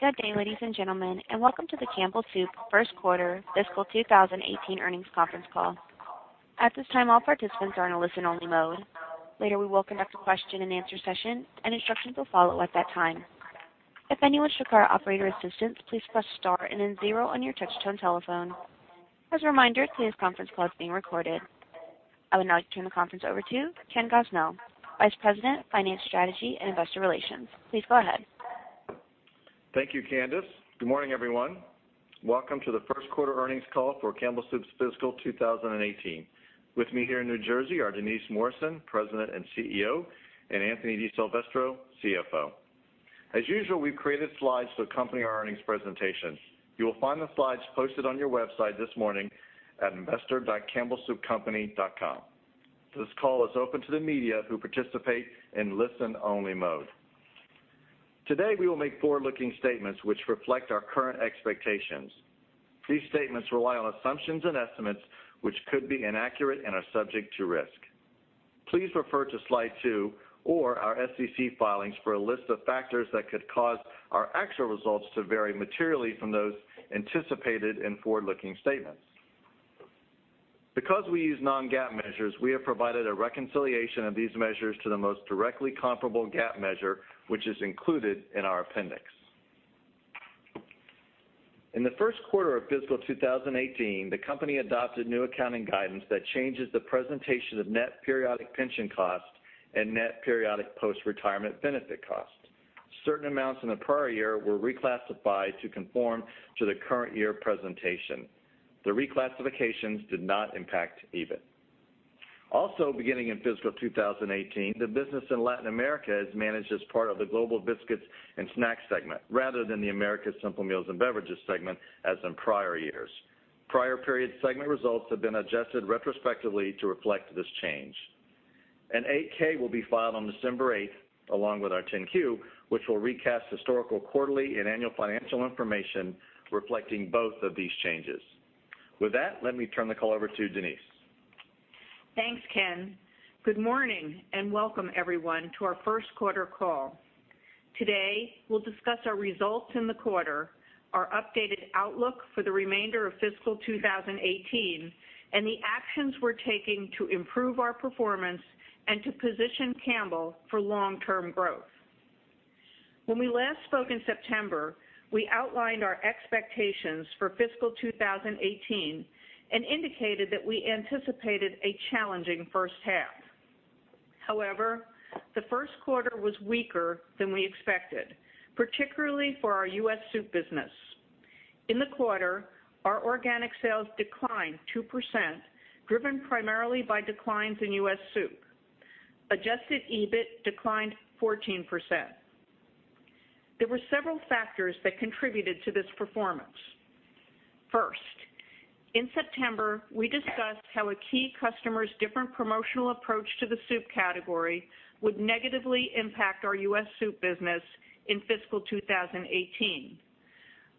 Good day, ladies and gentlemen, and welcome to the Campbell Soup first quarter fiscal 2018 earnings conference call. At this time, all participants are in a listen-only mode. Later, we will conduct a question-and-answer session, and instructions will follow at that time. If anyone should require operator assistance, please press star and then zero on your touch-tone telephone. As a reminder, today's conference call is being recorded. I would now like to turn the conference over to Ken Gosnell, Vice President of Finance Strategy and Investor Relations. Please go ahead. Thank you, Candice. Good morning, everyone. Welcome to the first quarter earnings call for Campbell Soup's fiscal 2018. With me here in New Jersey are Denise Morrison, President and CEO, and Anthony DiSilvestro, CFO. As usual, we've created slides to accompany our earnings presentation. You will find the slides posted on your website this morning at investor.campbellsoupcompany.com. This call is open to the media who participate in listen-only mode. Today we will make forward-looking statements which reflect our current expectations. These statements rely on assumptions and estimates, which could be inaccurate and are subject to risk. Please refer to Slide two or our SEC filings for a list of factors that could cause our actual results to vary materially from those anticipated in forward-looking statements. Because we use non-GAAP measures, we have provided a reconciliation of these measures to the most directly comparable GAAP measure, which is included in our appendix. In the first quarter of fiscal 2018, the company adopted new accounting guidance that changes the presentation of net periodic pension cost and net periodic post-retirement benefit cost. Certain amounts in the prior year were reclassified to conform to the current year presentation. The reclassifications did not impact EBIT. Also beginning in fiscal 2018, the business in Latin America is managed as part of the Global Biscuits and Snacks segment, rather than the Americas Simple Meals and Beverages segment as in prior years. Prior period segment results have been adjusted retrospectively to reflect this change. An 8-K will be filed on December 8th along with our 10-Q, which will recast historical quarterly and annual financial information reflecting both of these changes. With that, let me turn the call over to Denise. Thanks, Ken. Good morning and welcome everyone to our first quarter call. Today, we'll discuss our results in the quarter, our updated outlook for the remainder of fiscal 2018, and the actions we're taking to improve our performance and to position Campbell for long-term growth. When we last spoke in September, we outlined our expectations for fiscal 2018 and indicated that we anticipated a challenging first half. However, the first quarter was weaker than we expected, particularly for our U.S. soup business. In the quarter, our organic sales declined 2%, driven primarily by declines in U.S. soup. Adjusted EBIT declined 14%. There were several factors that contributed to this performance. First, in September, we discussed how a key customer's different promotional approach to the soup category would negatively impact our U.S. soup business in fiscal 2018.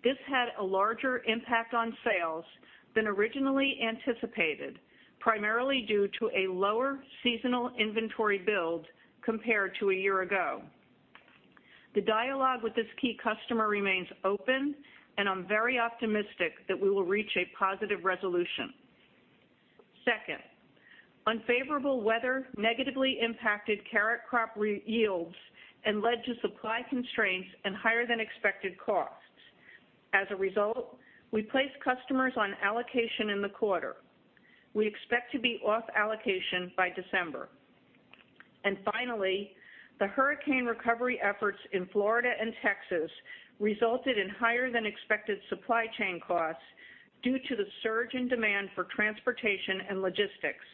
This had a larger impact on sales than originally anticipated, primarily due to a lower seasonal inventory build compared to a year ago. The dialogue with this key customer remains open, and I'm very optimistic that we will reach a positive resolution. Second, unfavorable weather negatively impacted carrot crop yields and led to supply constraints and higher-than-expected costs. As a result, we placed customers on allocation in the quarter. We expect to be off allocation by December. Finally, the hurricane recovery efforts in Florida and Texas resulted in higher-than-expected supply chain costs due to the surge in demand for transportation and logistics.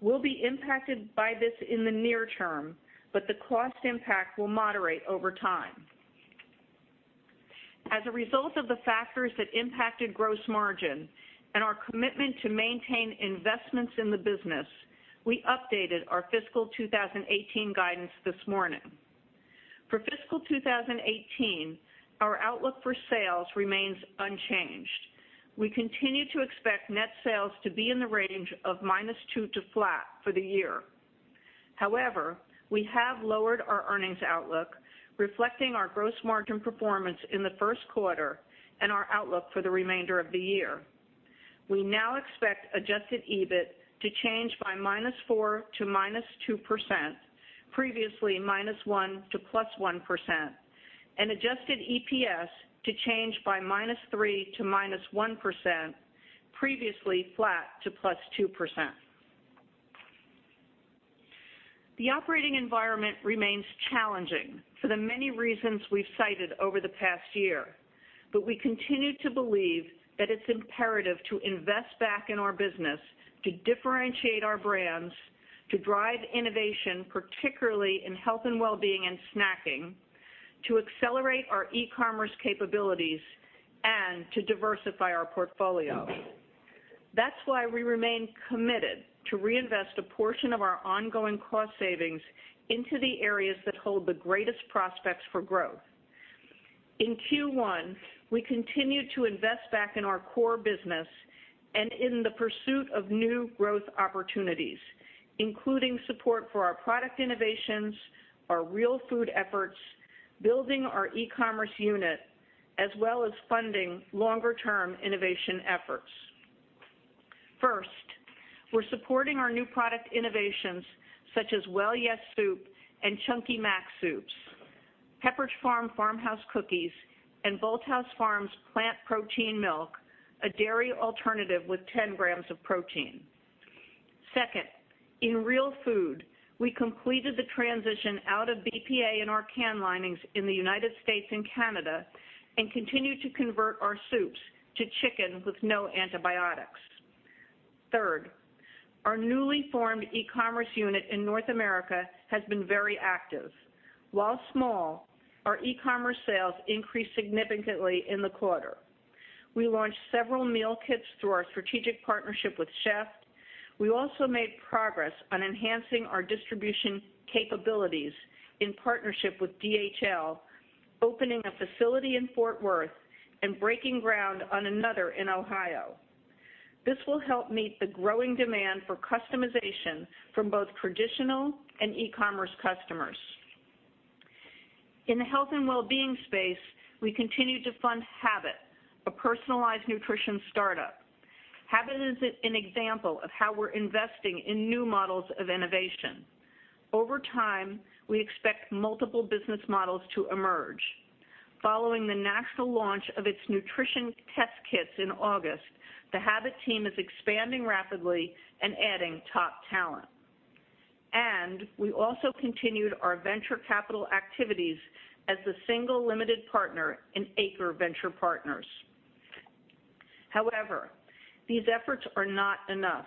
We'll be impacted by this in the near term, but the cost impact will moderate over time. As a result of the factors that impacted gross margin and our commitment to maintain investments in the business, we updated our fiscal 2018 guidance this morning. For fiscal 2018, our outlook for sales remains unchanged. We continue to expect net sales to be in the range of -2% to flat for the year. However, we have lowered our earnings outlook, reflecting our gross margin performance in the first quarter and our outlook for the remainder of the year. We now expect adjusted EBIT to change by -4% to -2%, previously -1% to +1%, and adjusted EPS to change by -3% to -1%, previously flat to +2%. The operating environment remains challenging for the many reasons we've cited over the past year, but we continue to believe that it's imperative to invest back in our business to differentiate our brands, to drive innovation, particularly in health and wellbeing and snacking, to accelerate our e-commerce capabilities, and to diversify our portfolio. That's why we remain committed to reinvest a portion of our ongoing cost savings into the areas that hold the greatest prospects for growth. In Q1, we continued to invest back in our core business in the pursuit of new growth opportunities, including support for our product innovations, our Real Food efforts, building our e-commerce unit, as well as funding longer-term innovation efforts. First, we're supporting our new product innovations such as Well Yes! soup and Chunky Maxx soups, Pepperidge Farm Farmhouse cookies, and Bolthouse Farms plant protein milk, a dairy alternative with 10 grams of protein. Second, in Real Food, we completed the transition out of BPA in our can linings in the U.S. and Canada and continue to convert our soups to chicken with no antibiotics. Third, our newly formed e-commerce unit in North America has been very active. While small, our e-commerce sales increased significantly in the quarter. We launched several meal kits through our strategic partnership with Chef'd. We also made progress on enhancing our distribution capabilities in partnership with DHL, opening a facility in Fort Worth and breaking ground on another in Ohio. This will help meet the growing demand for customization from both traditional and e-commerce customers. In the health and wellbeing space, we continue to fund Habit, a personalized nutrition startup. Habit is an example of how we're investing in new models of innovation. Over time, we expect multiple business models to emerge. Following the national launch of its nutrition test kits in August, the Habit team is expanding rapidly and adding top talent. We also continued our venture capital activities as the single limited partner in Acre Venture Partners. However, these efforts are not enough.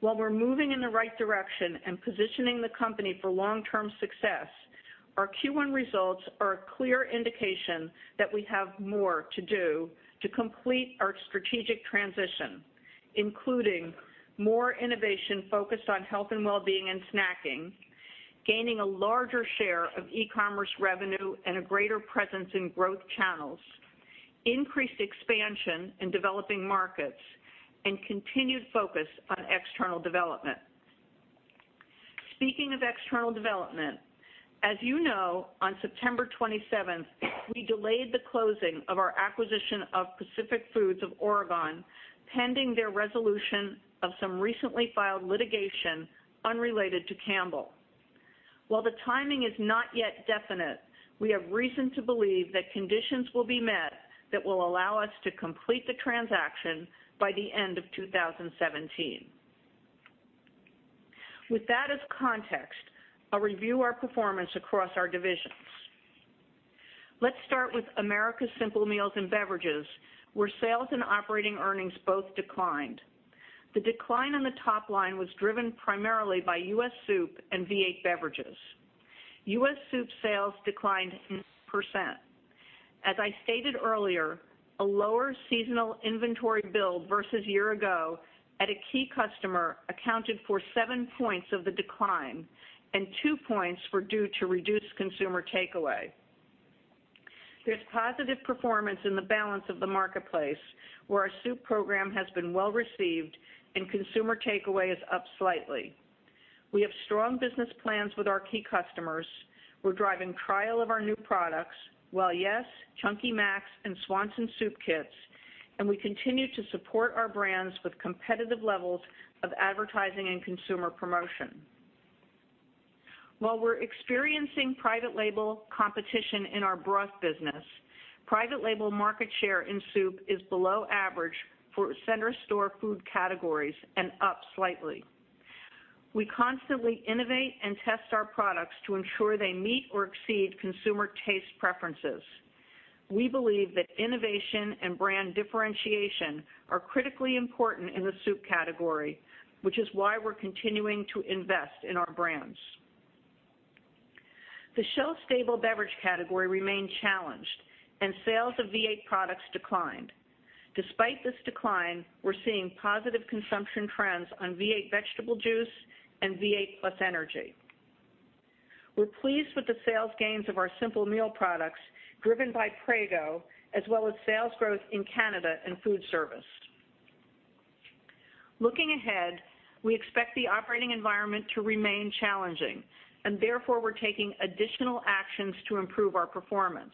While we're moving in the right direction and positioning the company for long-term success, our Q1 results are a clear indication that we have more to do to complete our strategic transition, including more innovation focused on health and wellbeing and snacking, gaining a larger share of e-commerce revenue, and a greater presence in growth channels, increased expansion in developing markets, and continued focus on external development. Speaking of external development, as you know, on September 27th, we delayed the closing of our acquisition of Pacific Foods of Oregon, pending their resolution of some recently filed litigation unrelated to Campbell. While the timing is not yet definite, we have reason to believe that conditions will be met that will allow us to complete the transaction by the end of 2017. With that as context, I'll review our performance across our divisions. Let's start with Americas Simple Meals and Beverages, where sales and operating earnings both declined. The decline on the top line was driven primarily by U.S. soup and V8 beverages. U.S. soup sales declined 6%. As I stated earlier, a lower seasonal inventory build versus year ago at a key customer accounted for 7 points of the decline, and 2 points were due to reduced consumer takeaway. There's positive performance in the balance of the marketplace, where our soup program has been well-received and consumer takeaway is up slightly. We have strong business plans with our key customers. We're driving trial of our new products, Well Yes!, Chunky Maxx, and Swanson Soup Kits. We continue to support our brands with competitive levels of advertising and consumer promotion. While we're experiencing private label competition in our broth business, private label market share in soup is below average for center store food categories and up slightly. We constantly innovate and test our products to ensure they meet or exceed consumer taste preferences. We believe that innovation and brand differentiation are critically important in the soup category, which is why we're continuing to invest in our brands. The shelf-stable beverage category remained challenged. Sales of V8 products declined. Despite this decline, we're seeing positive consumption trends on V8 Vegetable Juice and V8 +Energy. We're pleased with the sales gains of our Simple Meal products driven by Prego, as well as sales growth in Canada and food service. Looking ahead, we expect the operating environment to remain challenging. Therefore, we're taking additional actions to improve our performance.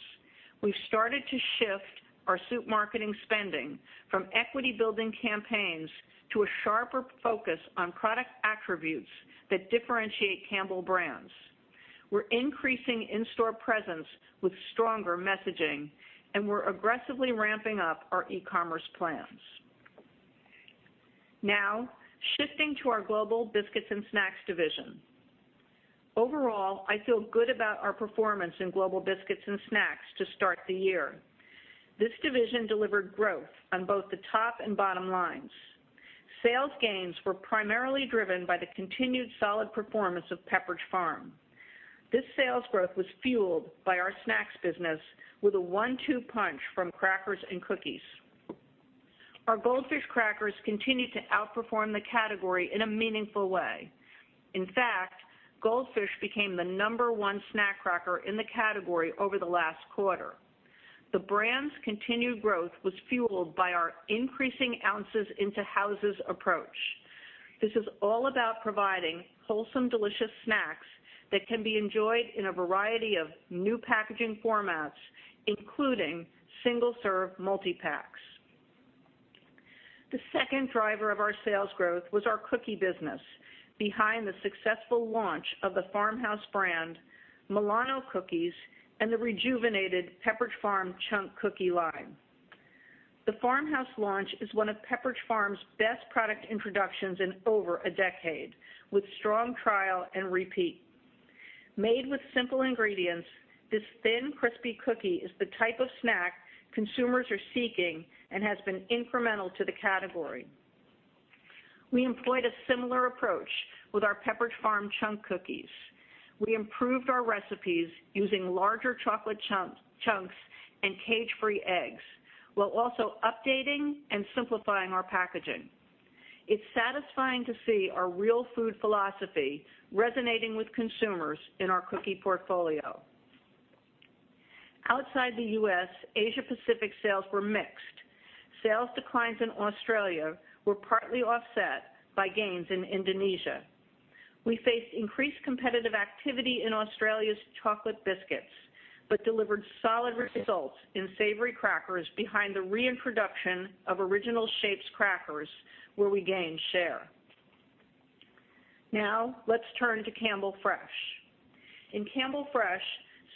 We've started to shift our soup marketing spending from equity-building campaigns to a sharper focus on product attributes that differentiate Campbell brands. We're increasing in-store presence with stronger messaging, and we're aggressively ramping up our e-commerce plans. Shifting to our Global Biscuits and Snacks division. Overall, I feel good about our performance in Global Biscuits and Snacks to start the year. This division delivered growth on both the top and bottom lines. Sales gains were primarily driven by the continued solid performance of Pepperidge Farm. This sales growth was fueled by our snacks business with a one-two punch from crackers and cookies. Our Goldfish crackers continued to outperform the category in a meaningful way. In fact, Goldfish became the number one snack cracker in the category over the last quarter. The brand's continued growth was fueled by our increasing ounces into houses approach. This is all about providing wholesome, delicious snacks that can be enjoyed in a variety of new packaging formats, including single-serve multi-packs. The second driver of our sales growth was our cookie business behind the successful launch of the Farmhouse brand, Milano cookies, and the rejuvenated Pepperidge Farm Chunk cookie line. The Farmhouse launch is one of Pepperidge Farm's best product introductions in over a decade, with strong trial and repeat. Made with simple ingredients, this thin, crispy cookie is the type of snack consumers are seeking and has been incremental to the category. We employed a similar approach with our Pepperidge Farm Chunk cookies. We improved our recipes using larger chocolate chunks and cage-free eggs, while also updating and simplifying our packaging. It's satisfying to see our Real Food philosophy resonating with consumers in our cookie portfolio. Outside the U.S., Asia Pacific sales were mixed. Sales declines in Australia were partly offset by gains in Indonesia. We faced increased competitive activity in Australia's chocolate biscuits, but delivered solid results in savory crackers behind the reintroduction of original shapes crackers, where we gained share. Let's turn to Campbell Fresh. In Campbell Fresh,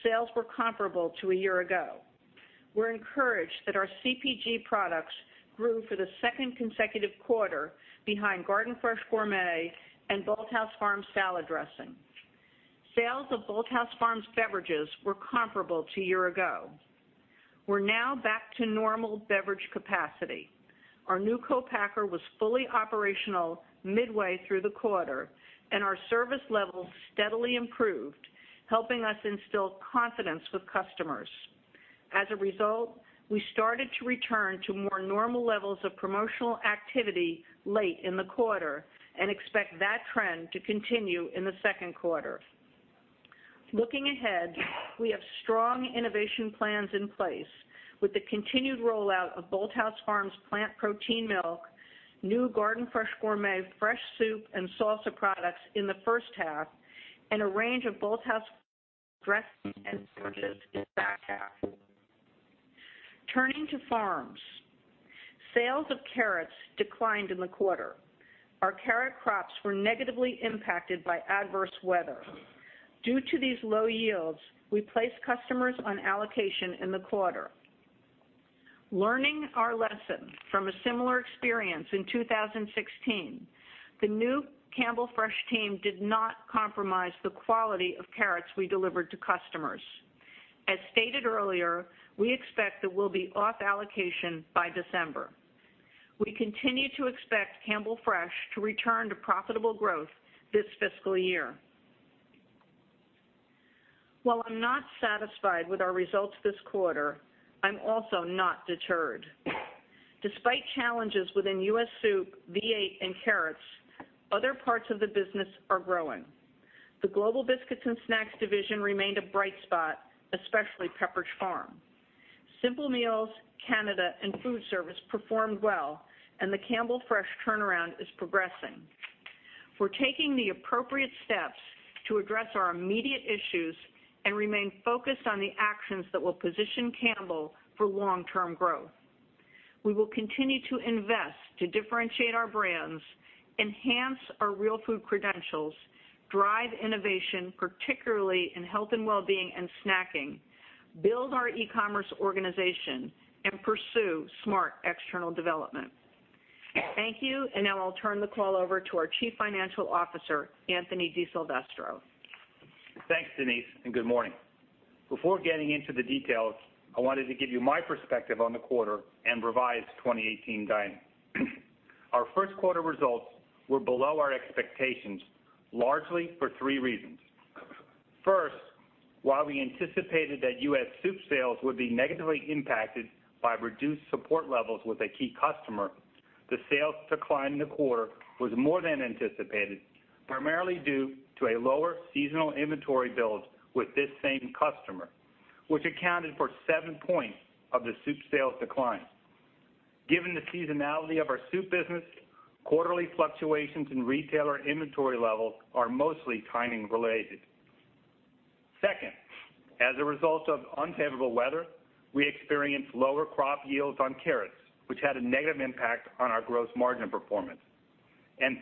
sales were comparable to a year ago. We're encouraged that our CPG products grew for the second consecutive quarter behind Garden Fresh Gourmet and Bolthouse Farms salad dressing. Sales of Bolthouse Farms beverages were comparable to a year ago. We're now back to normal beverage capacity. Our new co-packer was fully operational midway through the quarter, and our service level steadily improved, helping us instill confidence with customers. As a result, we started to return to more normal levels of promotional activity late in the quarter and expect that trend to continue in the second quarter. Looking ahead, we have strong innovation plans in place with the continued rollout of Bolthouse Farms plant protein milk, new Garden Fresh Gourmet fresh soup and salsa products in the first half, and a range of Bolthouse dressings and beverages in the back half. Turning to farms. Sales of carrots declined in the quarter. Our carrot crops were negatively impacted by adverse weather. Due to these low yields, we placed customers on allocation in the quarter. Learning our lesson from a similar experience in 2016, the new Campbell Fresh team did not compromise the quality of carrots we delivered to customers. As stated earlier, we expect that we'll be off allocation by December. We continue to expect Campbell Fresh to return to profitable growth this fiscal year. While I'm not satisfied with our results this quarter, I'm also not deterred. Despite challenges within U.S. soup, V8, and carrots, other parts of the business are growing. The Global Biscuits and Snacks division remained a bright spot, especially Pepperidge Farm. Simple Meals, Canada, and foodservice performed well, and the Campbell Fresh turnaround is progressing. We're taking the appropriate steps to address our immediate issues and remain focused on the actions that will position Campbell for long-term growth. We will continue to invest to differentiate our brands, enhance our Real Food credentials, drive innovation, particularly in health and wellbeing and snacking, build our e-commerce organization, and pursue smart external development. Thank you, and now I'll turn the call over to our Chief Financial Officer, Anthony DiSilvestro. Thanks, Denise, and good morning. Before getting into the details, I wanted to give you my perspective on the quarter and revised 2018 guidance. Our first quarter results were below our expectations, largely for three reasons. First, while we anticipated that U.S. soup sales would be negatively impacted by reduced support levels with a key customer, the sales decline in the quarter was more than anticipated, primarily due to a lower seasonal inventory build with this same customer, which accounted for seven points of the soup sales decline. Given the seasonality of our soup business, quarterly fluctuations in retailer inventory levels are mostly timing related. Second, as a result of unfavorable weather, we experienced lower crop yields on carrots, which had a negative impact on our gross margin performance.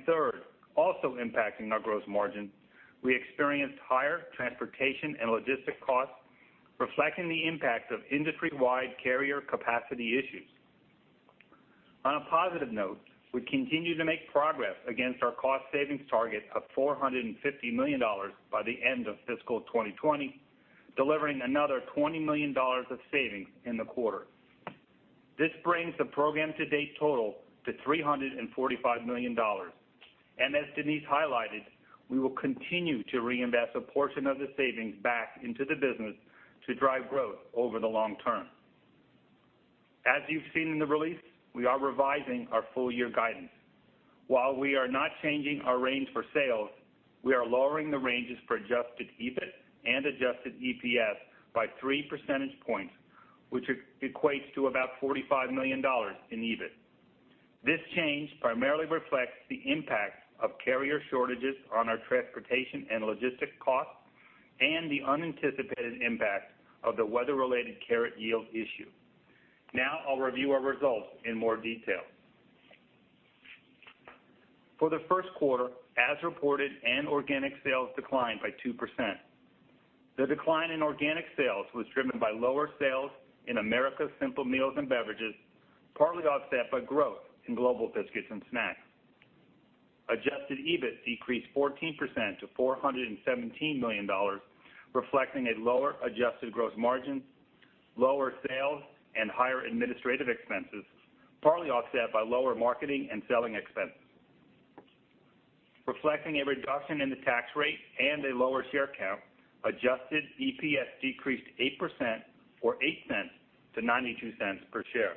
Third, also impacting our gross margin, we experienced higher transportation and logistics costs, reflecting the impact of industry-wide carrier capacity issues. On a positive note, we continue to make progress against our cost savings target of $450 million by the end of fiscal 2020, delivering another $20 million of savings in the quarter. This brings the program to date total to $345 million. As Denise highlighted, we will continue to reinvest a portion of the savings back into the business to drive growth over the long term. As you've seen in the release, we are revising our full-year guidance. While we are not changing our range for sales, we are lowering the ranges for adjusted EBIT and adjusted EPS by three percentage points, which equates to about $45 million in EBIT. This change primarily reflects the impact of carrier shortages on our transportation and logistics costs and the unanticipated impact of the weather-related carrot yield issue. Now I'll review our results in more detail. For the first quarter, as reported, and organic sales declined by 2%. The decline in organic sales was driven by lower sales in Americas Simple Meals and Beverages, partly offset by growth in Global Biscuits and Snacks. Adjusted EBIT decreased 14% to $417 million, reflecting a lower adjusted gross margin, lower sales, and higher administrative expenses, partly offset by lower marketing and selling expenses. Reflecting a reduction in the tax rate and a lower share count, adjusted EPS decreased 8% or $0.08 to $0.92 per share.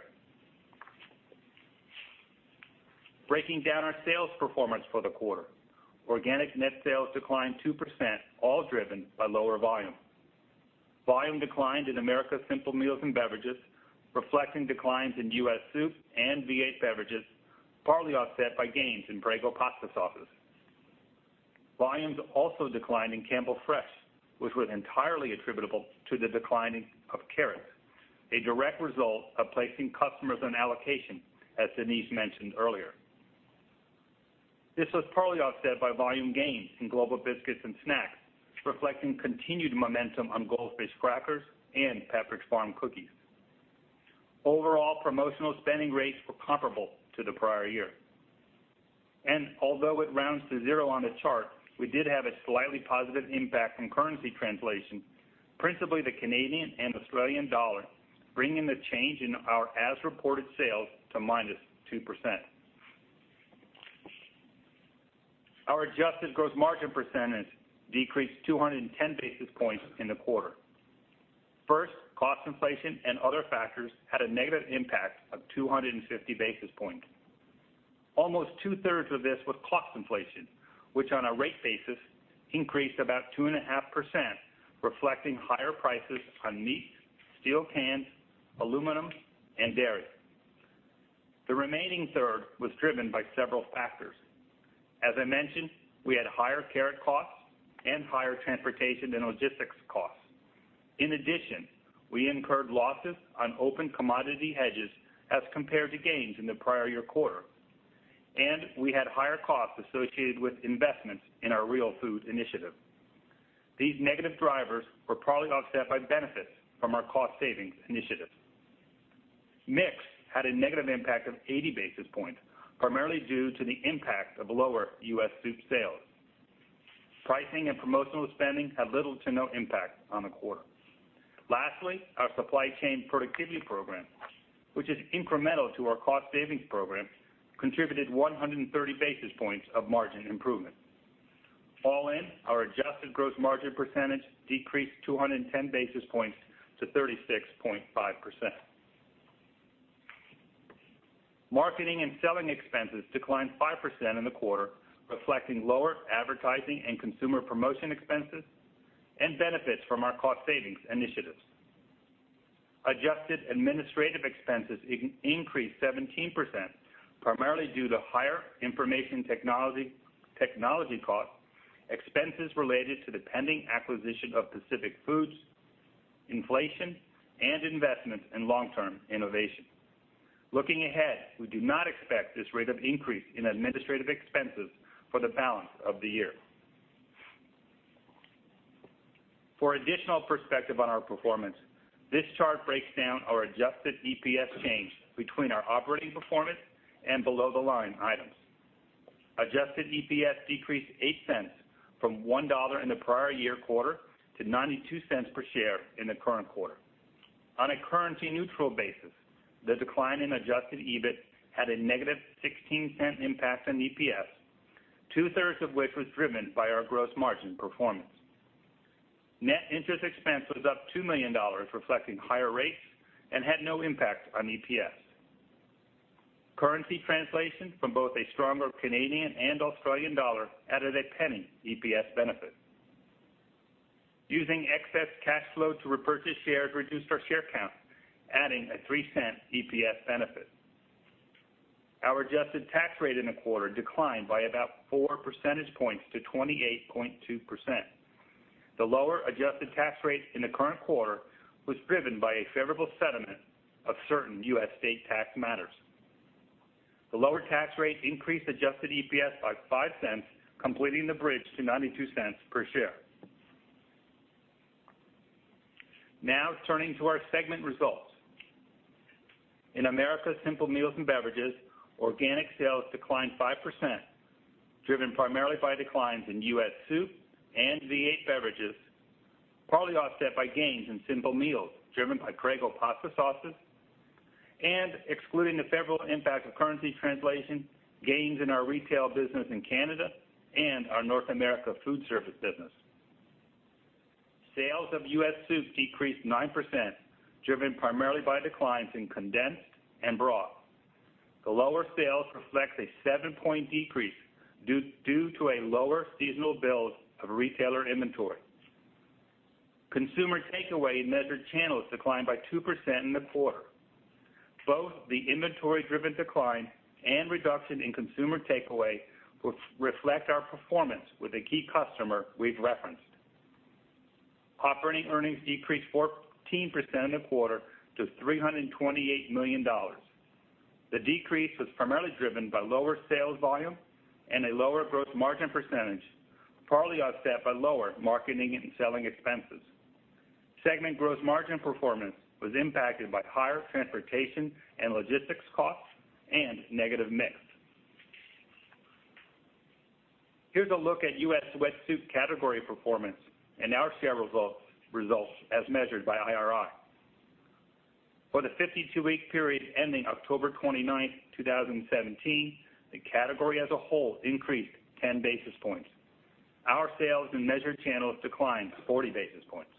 Breaking down our sales performance for the quarter. Organic net sales declined 2%, all driven by lower volume. Volume declined in Americas Simple Meals and Beverages, reflecting declines in U.S. soup and V8 beverages, partly offset by gains in Prego pasta sauces. Volumes also declined in Campbell Fresh, which was entirely attributable to the declining of carrots, a direct result of placing customers on allocation, as Denise mentioned earlier. This was partly offset by volume gains in Global Biscuits and Snacks, reflecting continued momentum on Goldfish crackers and Pepperidge Farm cookies. Overall promotional spending rates were comparable to the prior year. Although it rounds to zero on the chart, we did have a slightly positive impact from currency translation, principally the Canadian and Australian dollar, bringing the change in our as-reported sales to -2%. Our adjusted gross margin percentage decreased 210 basis points in the quarter. First, cost inflation and other factors had a negative impact of 250 basis points. Almost two-thirds of this was cost inflation, which on a rate basis increased about 2.5%, reflecting higher prices on meats, steel cans, aluminum, and dairy. The remaining third was driven by several factors. As I mentioned, we had higher carrot costs and higher transportation and logistics costs. In addition, we incurred losses on open commodity hedges as compared to gains in the prior year quarter. We had higher costs associated with investments in our Real Food initiative. These negative drivers were partly offset by benefits from our cost savings initiatives. Mix had a negative impact of 80 basis points, primarily due to the impact of lower U.S. soup sales. Pricing and promotional spending had little to no impact on the quarter. Lastly, our supply chain productivity program, which is incremental to our cost savings program, contributed 130 basis points of margin improvement. All in, our adjusted gross margin percentage decreased 210 basis points to 36.5%. Marketing and selling expenses declined 5% in the quarter, reflecting lower advertising and consumer promotion expenses and benefits from our cost savings initiatives. Adjusted administrative expenses increased 17%, primarily due to higher information technology costs, expenses related to the pending acquisition of Pacific Foods, inflation, and investments in long-term innovation. Looking ahead, we do not expect this rate of increase in administrative expenses for the balance of the year. For additional perspective on our performance, this chart breaks down our adjusted EPS change between our operating performance and below the line items. Adjusted EPS decreased $0.08 from $1 in the prior year quarter to $0.92 per share in the current quarter. On a currency-neutral basis, the decline in adjusted EBIT had a negative $0.16 impact on EPS, two-thirds of which was driven by our gross margin performance. Net interest expense was up $2 million, reflecting higher rates and had no impact on EPS. Currency translation from both a stronger Canadian and Australian dollar added a $0.01 EPS benefit. Using excess cash flow to repurchase shares reduced our share count, adding a $0.03 EPS benefit. Our adjusted tax rate in the quarter declined by about four percentage points to 28.2%. The lower adjusted tax rate in the current quarter was driven by a favorable settlement of certain U.S. state tax matters. The lower tax rate increased adjusted EPS by $0.05, completing the bridge to $0.92 per share. Now turning to our segment results. In Americas Simple Meals and Beverages, organic sales declined 5%, driven primarily by declines in U.S. soup and V8 beverages, partly offset by gains in Simple Meals, driven by Prego pasta sauces and excluding the favorable impact of currency translation, gains in our retail business in Canada and our North America food service business. Sales of U.S. soup decreased 9%, driven primarily by declines in condensed and broth. The lower sales reflect a 7-point decrease due to a lower seasonal build of retailer inventory. Consumer takeaway measured channels declined by 2% in the quarter. Both the inventory-driven decline and reduction in consumer takeaway reflect our performance with a key customer we've referenced. Operating earnings decreased 14% in the quarter to $328 million. The decrease was primarily driven by lower sales volume and a lower gross margin percentage, partly offset by lower marketing and selling expenses. Segment gross margin performance was impacted by higher transportation and logistics costs and negative mix. Here's a look at U.S. wet soup category performance and our share results as measured by IRI. For the 52-week period ending October 29th, 2017, the category as a whole increased 10 basis points. Our sales in measured channels declined 40 basis points.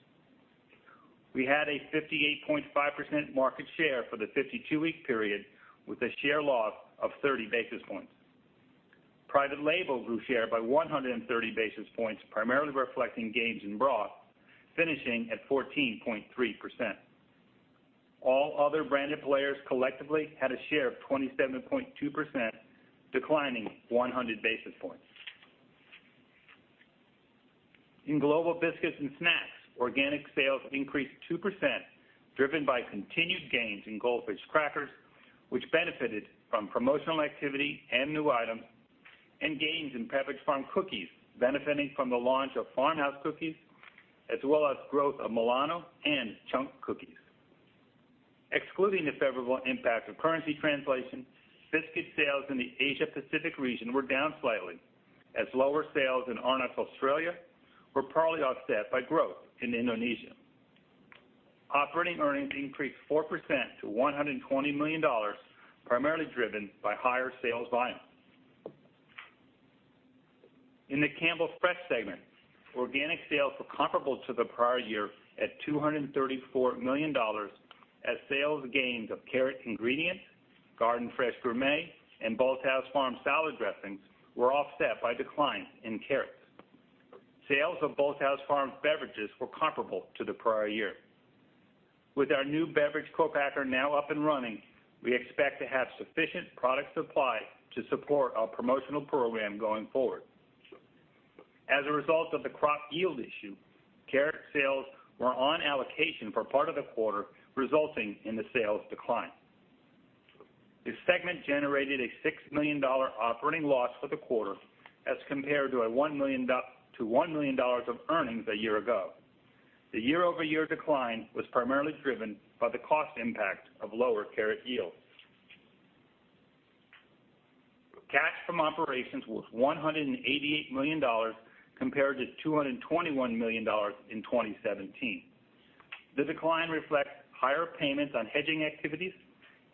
We had a 58.5% market share for the 52-week period with a share loss of 30 basis points. Private label grew share by 130 basis points, primarily reflecting gains in broth, finishing at 14.3%. All other branded players collectively had a share of 27.2%, declining 100 basis points. In Global Biscuits and Snacks, organic sales increased 2%, driven by continued gains in Goldfish crackers, which benefited from promotional activity and new items, and gains in Pepperidge Farm cookies benefiting from the launch of Farmhouse cookies, as well as growth of Milano and Chunk cookies. Excluding the favorable impact of currency translation, biscuit sales in the Asia Pacific region were down slightly as lower sales in Arnott's Australia were partly offset by growth in Indonesia. Operating earnings increased 4% to $120 million, primarily driven by higher sales volume. In the Campbell Fresh segment, organic sales were comparable to the prior year at $234 million as sales gains of Carrot Ingredients, Garden Fresh Gourmet, and Bolthouse Farms salad dressings were offset by declines in carrots. Sales of Bolthouse Farms beverages were comparable to the prior year. With our new beverage co-packer now up and running, we expect to have sufficient product supply to support our promotional program going forward. As a result of the crop yield issue, carrot sales were on allocation for part of the quarter, resulting in the sales decline. The segment generated a $6 million operating loss for the quarter as compared to $1 million of earnings a year ago. The year-over-year decline was primarily driven by the cost impact of lower carrot yields. Cash from operations was $188 million compared to $221 million in 2017. The decline reflects higher payments on hedging activities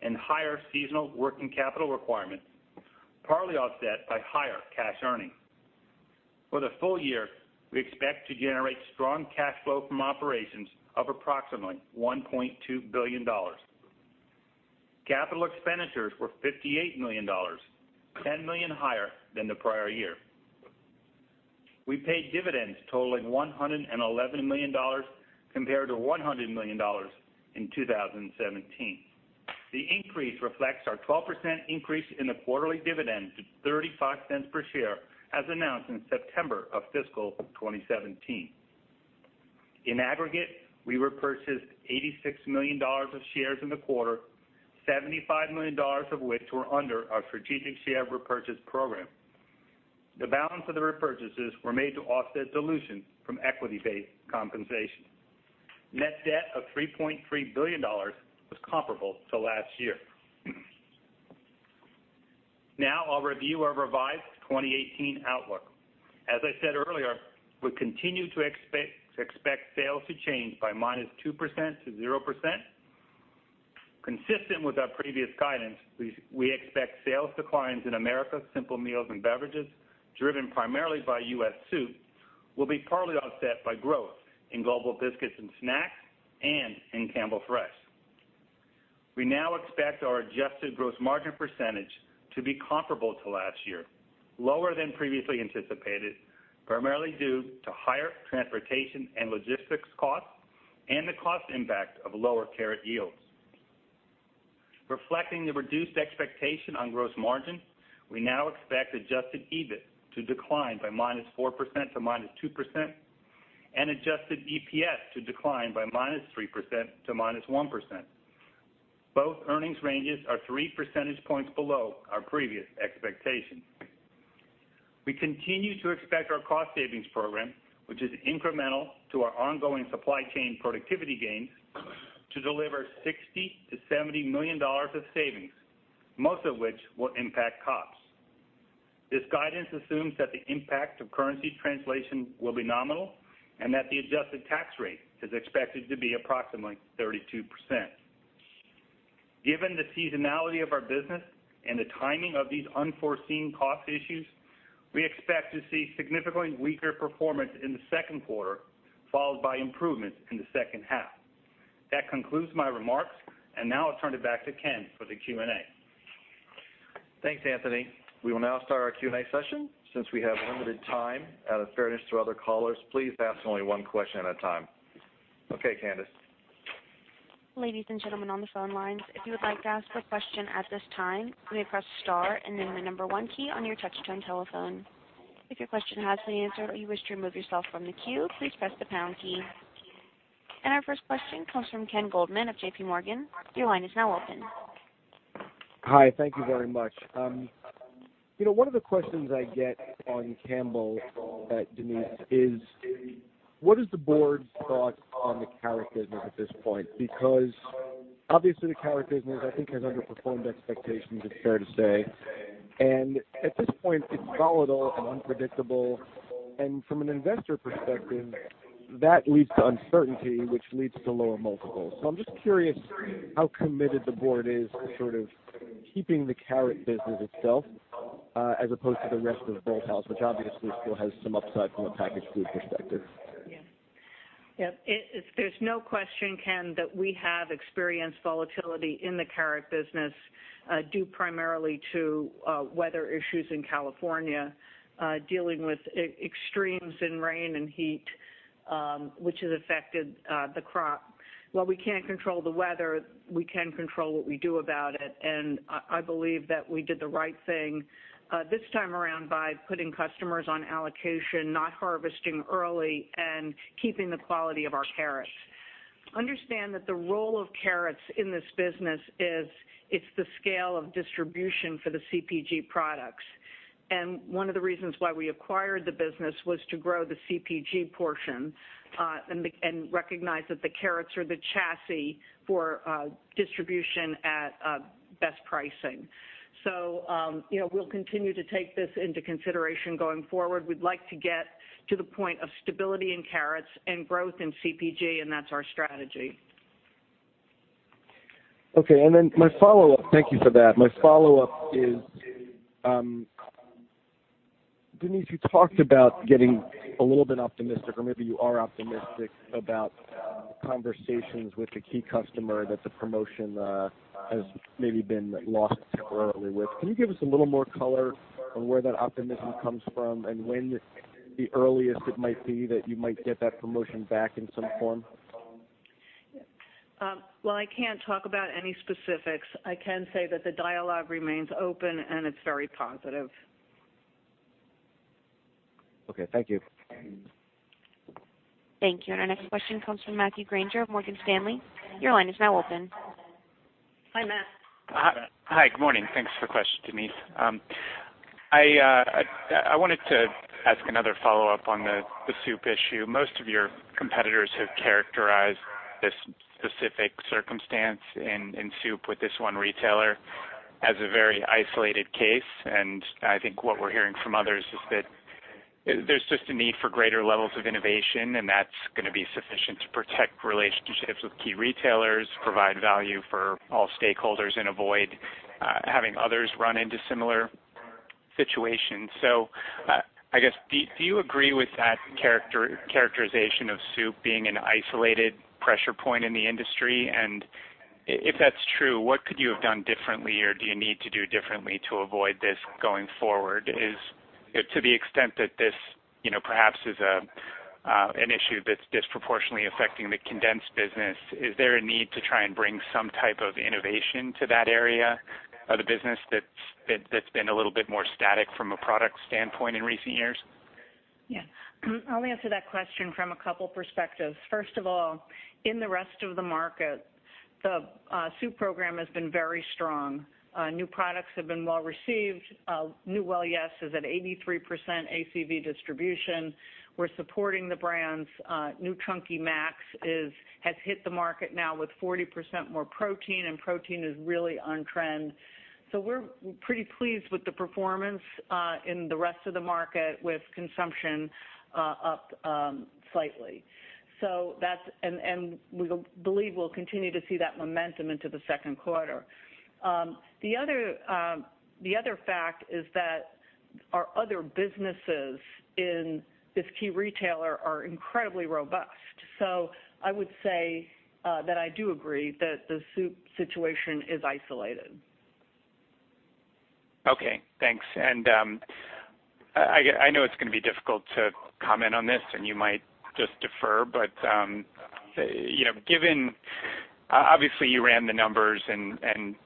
and higher seasonal working capital requirements, partly offset by higher cash earnings. For the full year, we expect to generate strong cash flow from operations of approximately $1.2 billion. Capital expenditures were $58 million, $10 million higher than the prior year. We paid dividends totaling $111 million compared to $100 million in 2017. The increase reflects our 12% increase in the quarterly dividend to $0.35 per share, as announced in September of fiscal 2017. In aggregate, we repurchased $86 million of shares in the quarter, $75 million of which were under our strategic share repurchase program. The balance of the repurchases were made to offset dilution from equity-based compensation. Net debt of $3.3 billion was comparable to last year. Now I'll review our revised 2018 outlook. As I said earlier, we continue to expect sales to change by minus 2% to 0%. Consistent with our previous guidance, we expect sales declines in Americas Simple Meals and Beverages, driven primarily by US soup, will be partly offset by growth in Global Biscuits and Snacks and in Campbell Fresh. We now expect our adjusted gross margin percentage to be comparable to last year, lower than previously anticipated, primarily due to higher transportation and logistics costs and the cost impact of lower carrot yields. Reflecting the reduced expectation on gross margin, we now expect adjusted EBIT to decline by minus 4% to minus 2% and adjusted EPS to decline by minus 3% to minus 1%. Both earnings ranges are three percentage points below our previous expectation. We continue to expect our cost savings program, which is incremental to our ongoing supply chain productivity gains, to deliver $60 million to $70 million of savings, most of which will impact costs. This guidance assumes that the impact of currency translation will be nominal and that the adjusted tax rate is expected to be approximately 32%. Given the seasonality of our business and the timing of these unforeseen cost issues, we expect to see significantly weaker performance in the second quarter, followed by improvements in the second half. That concludes my remarks, and now I'll turn it back to Ken for the Q&A. Thanks, Anthony. We will now start our Q&A session. Since we have limited time, out of fairness to other callers, please ask only one question at a time. Okay, Candice. Ladies and gentlemen on the phone lines, if you would like to ask a question at this time, you may press star and then the number one key on your touch-tone telephone. If your question has been answered or you wish to remove yourself from the queue, please press the pound key. Our first question comes from Ken Goldman of J.P. Morgan. Your line is now open. Hi. Thank you very much. One of the questions I get on Campbell that, Denise, is what is the board's thought on the carrot business at this point? Obviously the carrot business, I think, has underperformed expectations, it's fair to say. At this point, it's volatile and unpredictable, and from an investor perspective, that leads to uncertainty, which leads to lower multiples. I'm just curious how committed the board is to sort of keeping the carrot business itself, as opposed to the rest of Bolthouse, which obviously still has some upside from a packaged food perspective. Yeah. There's no question, Ken, that we have experienced volatility in the carrot business due primarily to weather issues in California, dealing with extremes in rain and heat, which has affected the crop. While we can't control the weather, we can control what we do about it, and I believe that we did the right thing this time around by putting customers on allocation, not harvesting early, and keeping the quality of our carrots. Understand that the role of carrots in this business is it's the scale of distribution for the CPG products. One of the reasons why we acquired the business was to grow the CPG portion, and recognize that the carrots are the chassis for distribution at best pricing. We'll continue to take this into consideration going forward. We'd like to get to the point of stability in carrots and growth in CPG, and that's our strategy. Okay. Thank you for that. My follow-up is, Denise, you talked about getting a little bit optimistic or maybe you are optimistic about conversations with a key customer that the promotion has maybe been lost temporarily with. Can you give us a little more color on where that optimism comes from, and when the earliest it might be that you might get that promotion back in some form? Well, I can't talk about any specifics. I can say that the dialogue remains open and it's very positive. Okay. Thank you. Thank you. Our next question comes from Matthew Grainger of Morgan Stanley. Your line is now open. Hi, Matt. Hi. Good morning. Thanks for the question, Denise. I wanted to ask another follow-up on the soup issue. Most of your competitors have characterized this specific circumstance in soup with this one retailer as a very isolated case. I think what we're hearing from others is that there's just a need for greater levels of innovation. That's going to be sufficient to protect relationships with key retailers, provide value for all stakeholders, and avoid having others run into similar situations. I guess, do you agree with that characterization of soup being an isolated pressure point in the industry? If that's true, what could you have done differently, or do you need to do differently to avoid this going forward? To the extent that this perhaps is an issue that's disproportionately affecting the condensed business, is there a need to try and bring some type of innovation to that area of the business that's been a little bit more static from a product standpoint in recent years? Yeah. I'll answer that question from a couple perspectives. First of all, in the rest of the market, the soup program has been very strong. New products have been well received. New Well Yes! is at 83% ACV distribution. We're supporting the brands. New Chunky Maxx has hit the market now with 40% more protein. Protein is really on trend. We're pretty pleased with the performance in the rest of the market with consumption up slightly. We believe we'll continue to see that momentum into the second quarter. The other fact is that our other businesses in this key retailer are incredibly robust. I would say that I do agree that the soup situation is isolated. Okay, thanks. I know it's going to be difficult to comment on this, and you might just defer, but obviously you ran the numbers and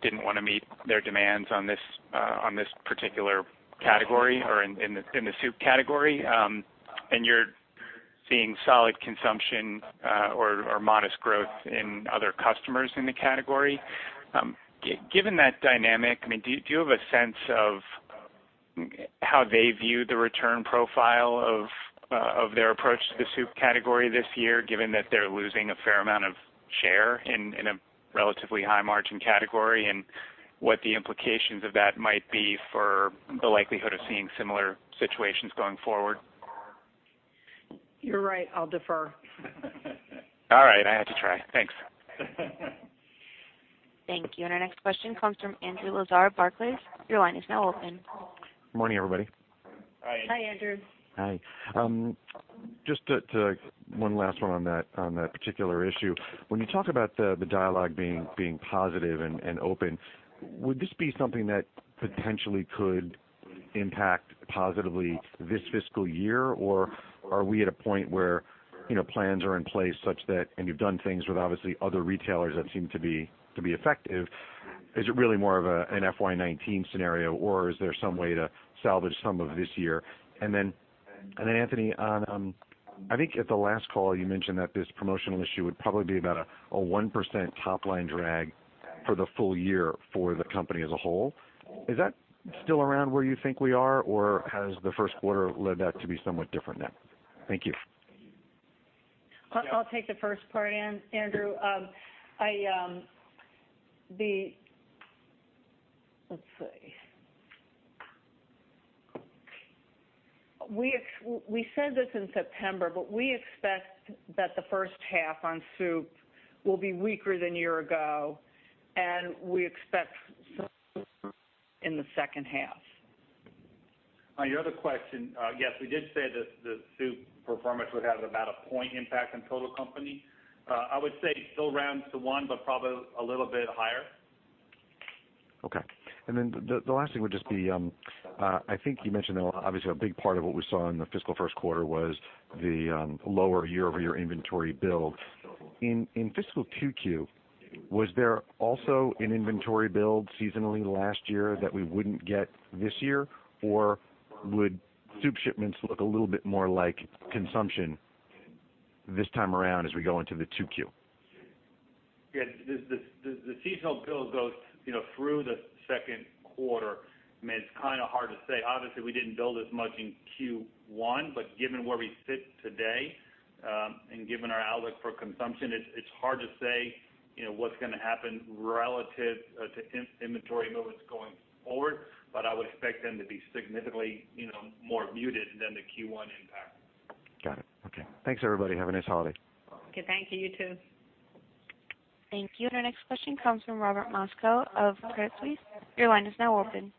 didn't want to meet their demands on this particular category or in the soup category, and you're seeing solid consumption or modest growth in other customers in the category. Given that dynamic, do you have a sense of how they view the return profile of their approach to the soup category this year, given that they're losing a fair amount of share in a relatively high margin category, and what the implications of that might be for the likelihood of seeing similar situations going forward? You're right, I'll defer. All right, I had to try. Thanks. Thank you. Our next question comes from Andrew Lazar of Barclays. Your line is now open. Morning, everybody. Hi, Andrew. Hi. Just one last one on that particular issue. When you talk about the dialogue being positive and open, are we at a point where plans are in place such that, and you've done things with obviously other retailers that seem to be effective, is it really more of an FY 2019 scenario or is there some way to salvage some of this year? Then Anthony, I think at the last call you mentioned that this promotional issue would probably be about a 1% top-line drag for the full year for the company as a whole. Is that still around where you think we are or has the first quarter led that to be somewhat different now? Thank you. I'll take the first part, Andrew. Let's see. We said this in September, we expect that the first half on soup will be weaker than year ago, and we expect in the second half. On your other question, yes, we did say that the soup performance would have about a point impact on total company. I would say still rounds to one, but probably a little bit higher. Okay. The last thing would just be, I think you mentioned that obviously a big part of what we saw in the fiscal first quarter was the lower year-over-year inventory build. In fiscal 2Q, was there also an inventory build seasonally last year that we wouldn't get this year? Would soup shipments look a little bit more like consumption this time around as we go into the 2Q? Yeah. The seasonal build goes through the second quarter. It's kind of hard to say. Obviously, we didn't build as much in Q1, given where we sit today, given our outlook for consumption, it's hard to say what's going to happen relative to inventory movements going forward. I would expect them to be significantly more muted than the Q1 impact. Got it. Okay. Thanks, everybody. Have a nice holiday. Okay, thank you. You too. Thank you. Our next question comes from Robert Moskow of Credit Suisse. Your line is now open.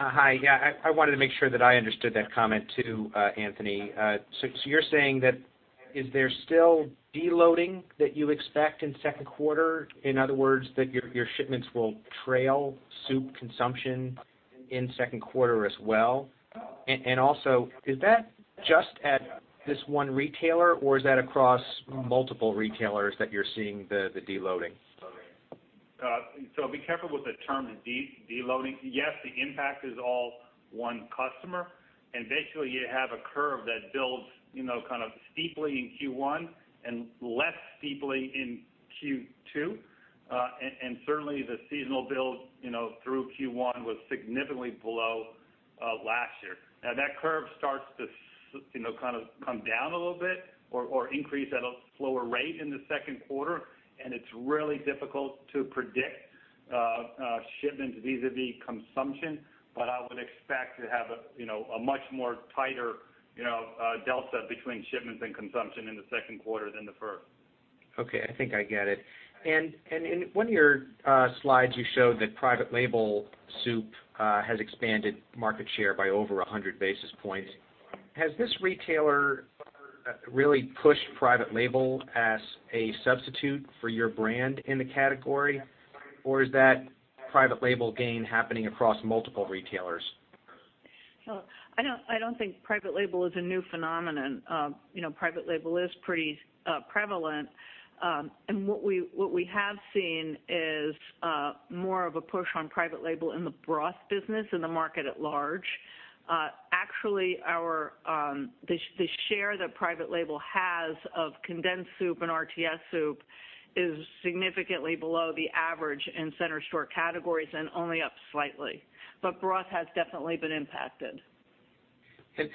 Hi. I wanted to make sure that I understood that comment too, Anthony. You're saying that, is there still deloading that you expect in second quarter? In other words, that your shipments will trail soup consumption in second quarter as well? Is that just at this one retailer or is that across multiple retailers that you're seeing the deloading? Be careful with the term deloading. Yes, the impact is all one customer and basically you have a curve that builds kind of steeply in Q1 and less steeply in Q2. Certainly, the seasonal build through Q1 was significantly below last year. Now that curve starts to kind of come down a little bit or increase at a slower rate in the second quarter and it's really difficult to predict shipments vis-a-vis consumption. I would expect to have a much more tighter delta between shipments and consumption in the second quarter than the first. Okay, I think I get it. In one of your slides you showed that private label soup has expanded market share by over 100 basis points. Has this retailer really pushed private label as a substitute for your brand in the category? Is that private label gain happening across multiple retailers? I don't think private label is a new phenomenon. Private label is pretty prevalent. What we have seen is more of a push on private label in the broth business in the market at large. Actually, the share that private label has of condensed soup and RTS soup is significantly below the average in center store categories and only up slightly. Broth has definitely been impacted.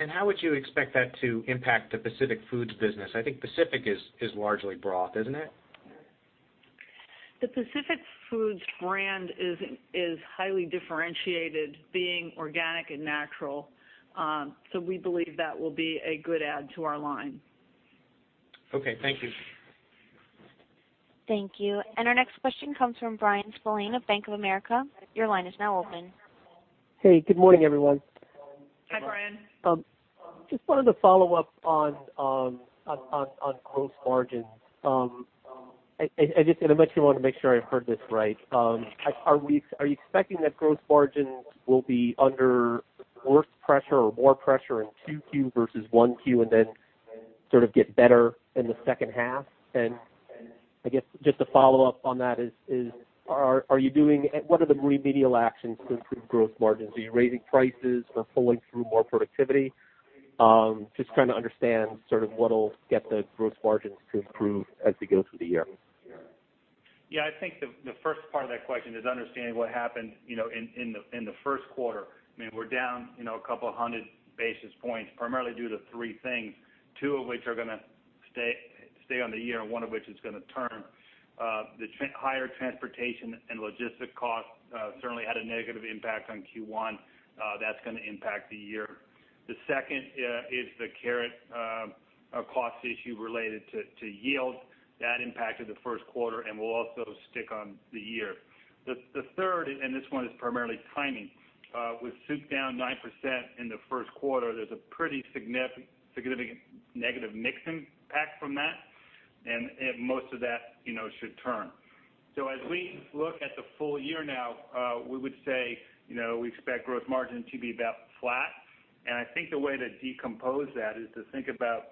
How would you expect that to impact the Pacific Foods business? I think Pacific is largely broth, isn't it? The Pacific Foods brand is highly differentiated being organic and natural. We believe that will be a good add to our line. Okay, thank you. Thank you. Our next question comes from Bryan Spillane of Bank of America. Your line is now open. Hey, good morning, everyone. Hi, Bryan. Just wanted to follow up on gross margins. I just want to make sure I've heard this right. Are you expecting that gross margins will be under worse pressure or more pressure in 2Q versus 1Q and then sort of get better in the second half? I guess just to follow up on that is, what are the remedial actions to improve gross margins? Are you raising prices or pulling through more productivity? Just trying to understand sort of what'll get the gross margins to improve as we go through the year. I think the first part of that question is understanding what happened in the first quarter. We're down a couple of hundred basis points, primarily due to three things, two of which are going to stay on the year, one of which is going to turn. The higher transportation and logistics costs certainly had a negative impact on Q1. That's going to impact the year. The second is the carrot cost issue related to yield. That impacted the first quarter and will also stick on the year. The third, this one is primarily timing, with soup down 9% in the first quarter, there's a pretty significant negative mix impact from that. Most of that should turn. As we look at the full year now, we would say we expect gross margin to be about flat. I think the way to decompose that is to think about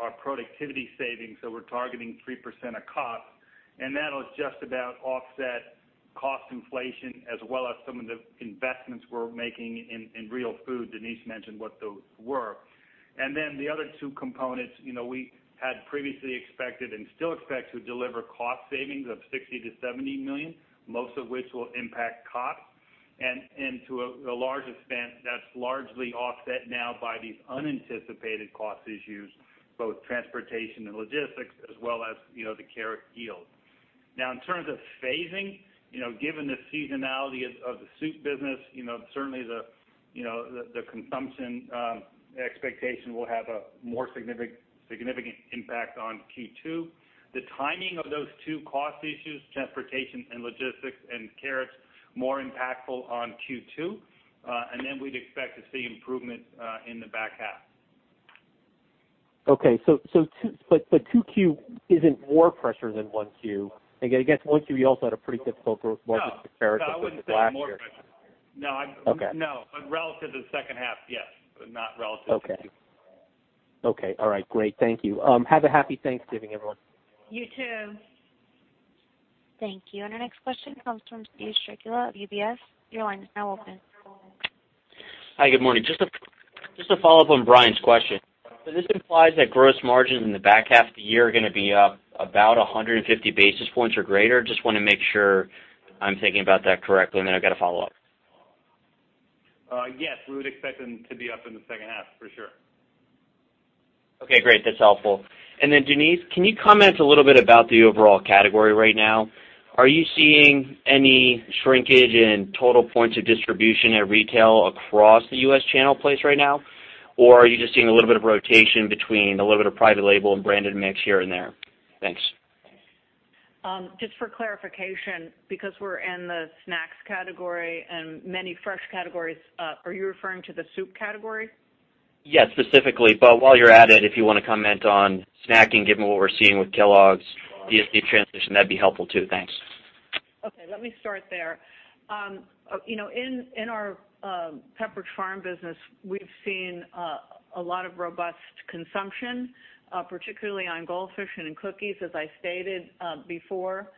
our productivity savings that we're targeting, 3% of COPS, that'll just about offset cost inflation as well as some of the investments we're making in Real Food. Denise mentioned what those were. The other two components, we had previously expected and still expect to deliver cost savings of $60 million-$70 million, most of which will impact COPS. To a large extent, that's largely offset now by these unanticipated cost issues, both transportation and logistics, as well as the carrot yield. In terms of phasing, given the seasonality of the soup business, certainly the consumption expectation will have a more significant impact on Q2. The timing of those two cost issues, transportation and logistics and carrots, more impactful on Q2. Then we'd expect to see improvement in the back half. 2Q isn't more pressure than 1Q. I guess 1Q, you also had a pretty difficult gross margin with the carrots as last year. No, I wouldn't say more pressure. Okay. No, but relative to the second half, yes, but not relative to- Okay. All right, great. Thank you. Have a happy Thanksgiving, everyone. You too. Thank you. Our next question comes from Steven Strycula of UBS. Your line is now open. Hi, good morning. Just to follow up on Bryan's question, this implies that gross margins in the back half of the year are going to be up about 150 basis points or greater? Just want to make sure I'm thinking about that correctly, I've got a follow-up. Yes, we would expect them to be up in the second half for sure. Okay, great. That's helpful. Denise, can you comment a little bit about the overall category right now? Are you seeing any shrinkage in total points of distribution at retail across the U.S. channel plays right now? Are you just seeing a little bit of rotation between a little bit of private label and branded mix here and there? Thanks. Just for clarification, because we're in the snacks category and many fresh categories, are you referring to the soup category? Yes, specifically. While you're at it, if you want to comment on snacking, given what we're seeing with Kellogg's DSD transition, that'd be helpful too. Thanks. Okay, let me start there. In our Pepperidge Farm business, we've seen a lot of robust consumption, particularly on Goldfish and in cookies, as I stated before.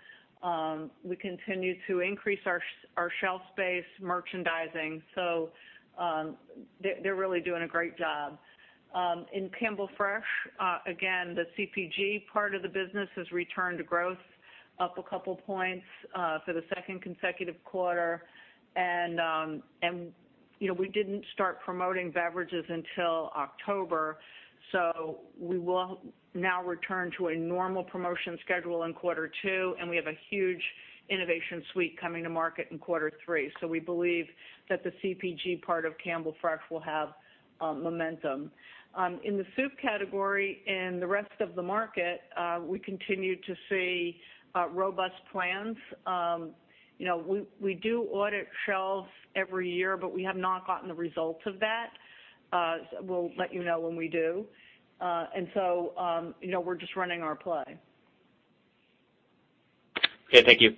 We continue to increase our shelf space merchandising, so they're really doing a great job. In Campbell Fresh, again, the CPG part of the business has returned to growth, up a couple points for the second consecutive quarter. We didn't start promoting beverages until October, so we will now return to a normal promotion schedule in quarter two, and we have a huge innovation suite coming to market in quarter three. We believe that the CPG part of Campbell Fresh will have momentum. In the soup category and the rest of the market, we continue to see robust plans. We do audit shelves every year, but we have not gotten the results of that. We'll let you know when we do. We're just running our play. Okay. Thank you.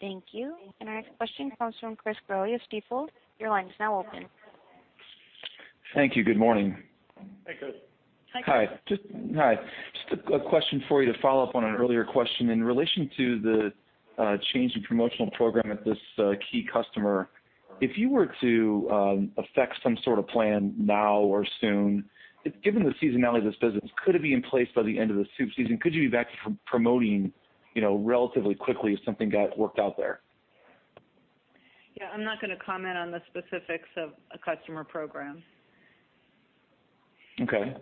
Thank you. Our next question comes from Chris Growe of Stifel. Your line is now open. Thank you. Good morning. Hey, Chris. Hi, Chris. Hi. Just a question for you to follow up on an earlier question. In relation to the change in promotional program at this key customer, if you were to effect some sort of plan now or soon, given the seasonality of this business, could it be in place by the end of the soup season? Could you be back promoting relatively quickly if something got worked out there? Yeah, I'm not going to comment on the specifics of a customer program. Okay.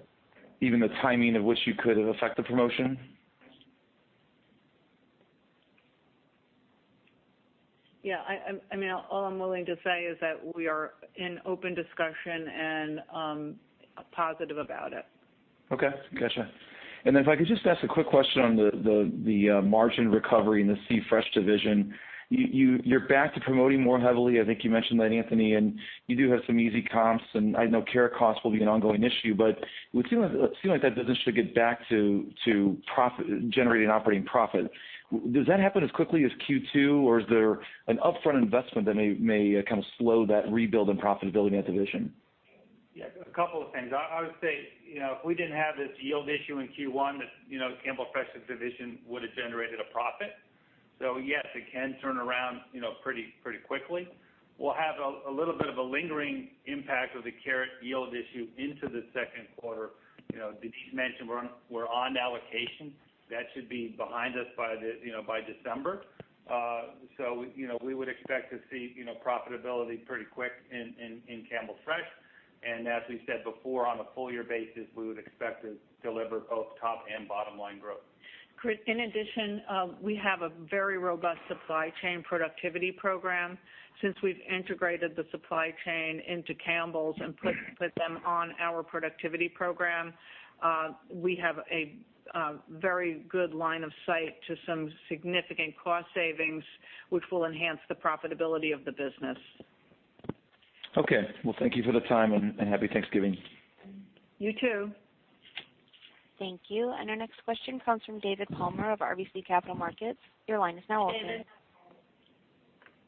Even the timing of which you could have effect the promotion? All I'm willing to say is that we are in open discussion and positive about it. Okay, gotcha. If I could just ask a quick question on the margin recovery in the Campbell Fresh division. You're back to promoting more heavily, I think you mentioned that, Anthony, you do have some easy comps, I know carrot costs will be an ongoing issue, but it would seem like that business should get back to generating operating profit. Does that happen as quickly as Q2, or is there an upfront investment that may kind of slow that rebuild in profitability in that division? A couple of things. I would say, if we didn't have this yield issue in Q1, the Campbell Fresh division would have generated a profit. Yes, it can turn around pretty quickly. We'll have a little bit of a lingering impact of the carrot yield issue into the second quarter. Denise mentioned we're on allocation. That should be behind us by December. We would expect to see profitability pretty quick in Campbell Fresh. As we said before, on a full year basis, we would expect to deliver both top and bottom-line growth. Chris, in addition, we have a very robust supply chain productivity program. Since we've integrated the supply chain into Campbell's and put them on our productivity program, we have a very good line of sight to some significant cost savings, which will enhance the profitability of the business. Okay. Well, thank you for the time, and Happy Thanksgiving. You too. Thank you. Our next question comes from David Palmer of RBC Capital Markets. Your line is now open.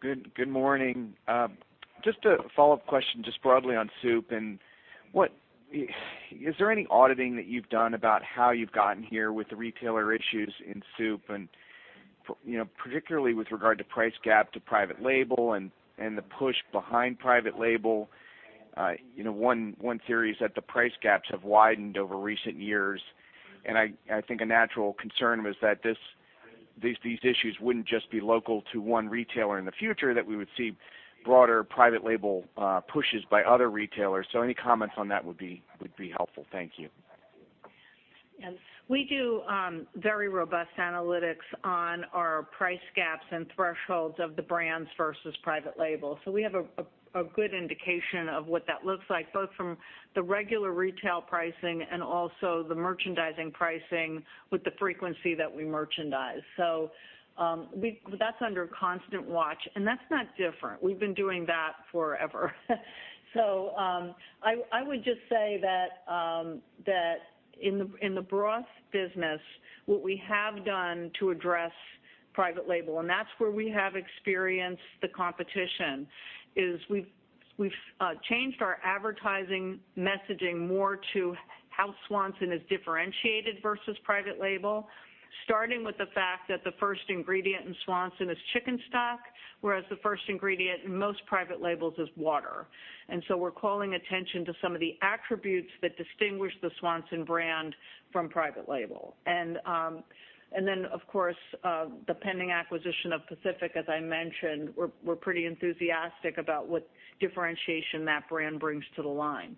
David. Good morning. Just a follow-up question, just broadly on soup. Is there any auditing that you've done about how you've gotten here with the retailer issues in soup, and particularly with regard to price gap to private label and the push behind private label? One theory is that the price gaps have widened over recent years, and I think a natural concern was that these issues wouldn't just be local to one retailer in the future, that we would see broader private label pushes by other retailers. Any comments on that would be helpful. Thank you. Yes. We do very robust analytics on our price gaps and thresholds of the brands versus private labels. We have a good indication of what that looks like, both from the regular retail pricing and also the merchandising pricing with the frequency that we merchandise. That's under constant watch, and that's not different. We've been doing that forever. I would just say that in the broth business, what we have done to address private label, and that's where we have experienced the competition, is we've changed our advertising messaging more to how Swanson is differentiated versus private label, starting with the fact that the first ingredient in Swanson is chicken stock, whereas the first ingredient in most private labels is water. We're calling attention to some of the attributes that distinguish the Swanson brand from private label. Then, of course, the pending acquisition of Pacific, as I mentioned, we're pretty enthusiastic about what differentiation that brand brings to the line.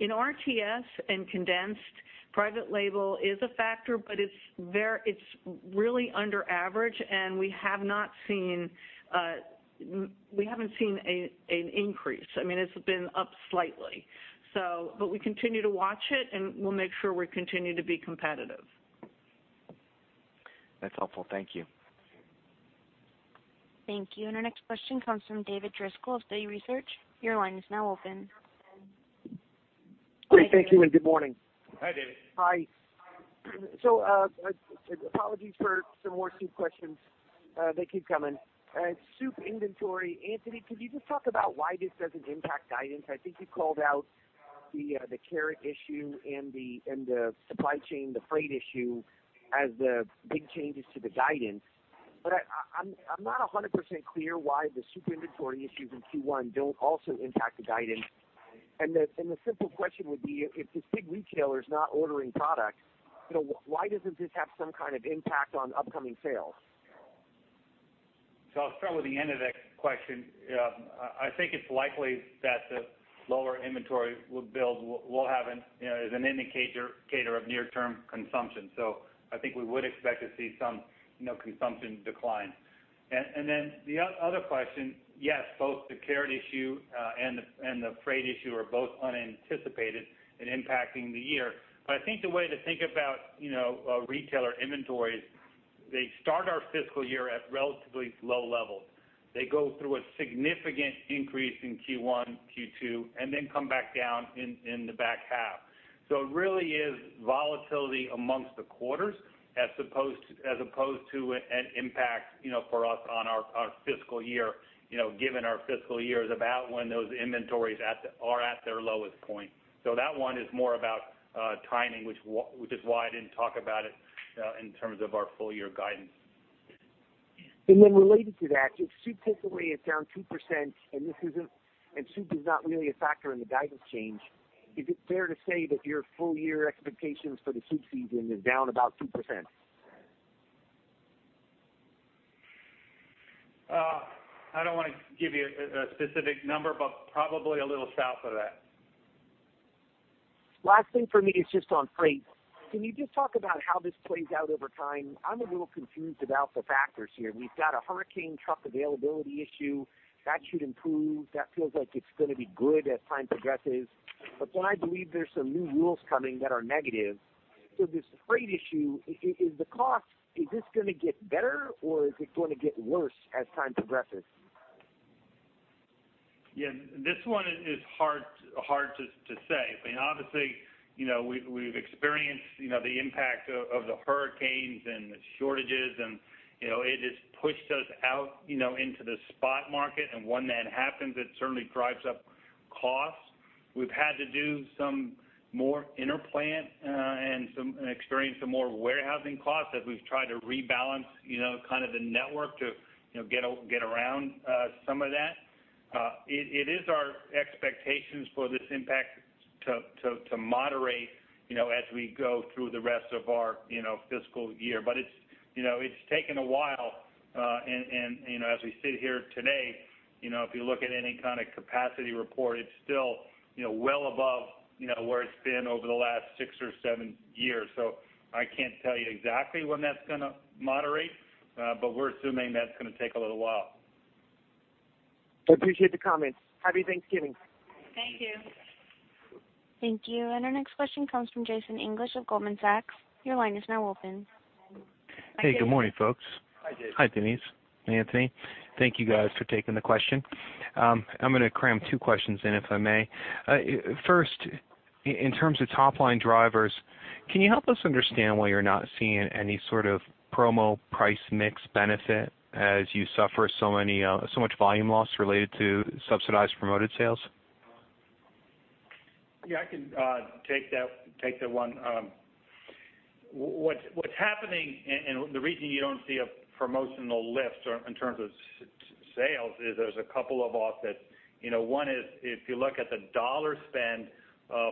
In RTS and condensed, private label is a factor, it's really under average, and we haven't seen an increase. I mean, it's been up slightly. We continue to watch it, and we'll make sure we continue to be competitive. That's helpful. Thank you. Thank you. Our next question comes from David Driscoll of Citi Research. Your line is now open. Great. Thank you, and good morning. Hi, David. Hi. Apologies for some more soup questions. They keep coming. Soup inventory, Anthony, could you just talk about why this doesn't impact guidance? I think you called out the carrot issue and the supply chain, the freight issue as the big changes to the guidance. But I'm not 100% clear why the soup inventory issues in Q1 don't also impact the guidance. The simple question would be, if this big retailer's not ordering product, why doesn't this have some kind of impact on upcoming sales? I'll start with the end of that question. I think it's likely that the lower inventory build is an indicator of near-term consumption. I think we would expect to see some consumption decline. The other question, yes, both the carrot issue and the freight issue are both unanticipated and impacting the year. I think the way to think about retailer inventories, they start our fiscal year at relatively low levels. They go through a significant increase in Q1, Q2, come back down in the back half. It really is volatility amongst the quarters as opposed to an impact for us on our fiscal year, given our fiscal year is about when those inventories are at their lowest point. That one is more about timing, which is why I didn't talk about it in terms of our full-year guidance. Related to that, if soup typically is down 2% and soup is not really a factor in the guidance change, is it fair to say that your full-year expectations for the soup season is down about 2%? I don't want to give you a specific number, but probably a little south of that. Last thing for me is just on freight. Can you just talk about how this plays out over time? I'm a little confused about the factors here. We've got a hurricane truck availability issue, that should improve. That feels like it's gonna be good as time progresses. I believe there's some new rules coming that are negative. This freight issue, is the cost, is this gonna get better or is it going to get worse as time progresses? This one is hard to say. I mean, obviously, we've experienced the impact of the hurricanes and the shortages and it has pushed us out into the spot market. When that happens, it certainly drives up costs. We've had to do some more interplant and experience some more warehousing costs as we've tried to rebalance kind of the network to get around some of that. It is our expectations for this impact to moderate as we go through the rest of our fiscal year. It's taken a while, and as we sit here today, if you look at any kind of capacity report, it's still well above where it's been over the last six or seven years. I can't tell you exactly when that's going to moderate, but we're assuming that's going to take a little while. I appreciate the comments. Happy Thanksgiving. Thank you. Thank you. Our next question comes from Jason English of Goldman Sachs. Your line is now open. Hey, good morning, folks. Hi, Jason. Hi, Denise, Anthony. Thank you guys for taking the question. I'm going to cram two questions in, if I may. First, in terms of top-line drivers, can you help us understand why you're not seeing any sort of promo price mix benefit as you suffer so much volume loss related to subsidized promoted sales? Yeah, I can take that one. What's happening and the reason you don't see a promotional lift in terms of sales is there's a couple of offsets. One is if you look at the dollar spend